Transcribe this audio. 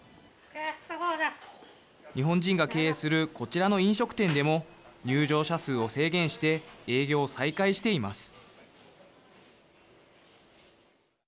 日本人が経営するこちらの飲食店でも入場者数を制限して営業を再開しています。